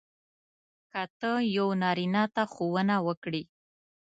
که ته یو نارینه ته ښوونه وکړې.